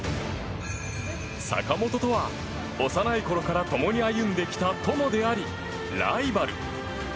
坂本とは幼いころから共に歩んできた友でありライバル。